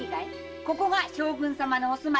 ここが将軍様のお住まいだよ！